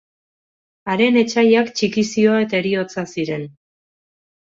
Haren etsaiak txikizioa eta heriotza ziren.